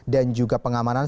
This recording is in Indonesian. dan juga pengamanan